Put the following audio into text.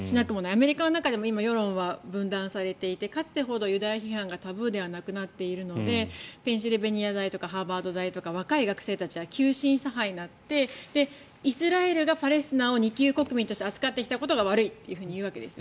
アメリカの中でも今世論は分断されていてかつてほどユダヤ批判がタブーではなくなっているのでペンシルベニア大とかハーバード大とか若い学生は急進左派になってイスラエルがパレスチナを２級国民として扱ってきたことが悪いというわけです。